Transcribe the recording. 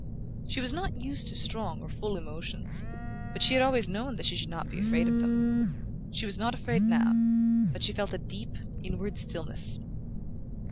She was not used to strong or full emotions; but she had always known that she should not be afraid of them. She was not afraid now; but she felt a deep inward stillness.